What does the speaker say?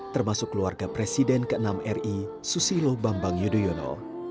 termasuk keluarga presiden ke enam ri susilo bambang yudhoyono